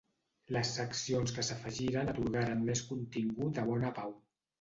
Les seccions que s'afegiren atorgaren més contingut a Bona Pau.